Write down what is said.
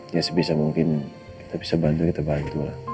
ya sebisa mungkin kita bisa bantu kita bantu lah